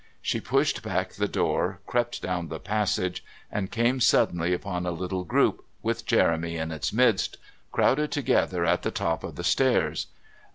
She pushed back the door, crept down the passage, and came suddenly upon a little group, with Jeremy in its midst, crowded together at the top of the stairs.